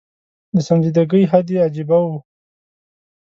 د سنجیدګۍ حد یې عجېبه و.